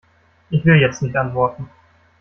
Ich will jetzt nicht antworten.